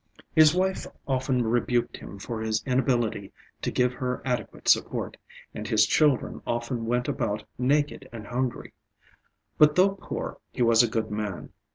His wife often rebuked him for his inability to give her adequate support, and his children often went about naked and hungry. But though poor he was a good man.